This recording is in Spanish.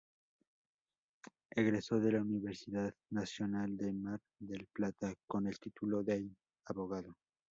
Egresó de la Universidad Nacional de Mar del Plata con el título de abogado.